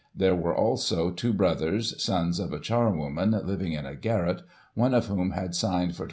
There were, also, two brothers, sons of a charwoman, living in a garret, one of whom had signed for ;£"!